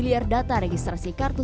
aksi bjorka tidak selesai di agustus